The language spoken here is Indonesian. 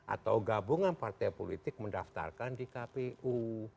atau gabungan partai politik mendaftarkan di kpu